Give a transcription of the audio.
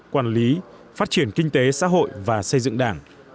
quản lý phát triển kinh tế xã hội và xây dựng đảng